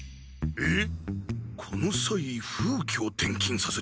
えっ？